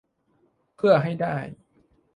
เพื่อให้ได้